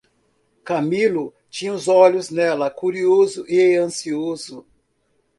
Camilo tinha os olhos nela curioso e ansioso.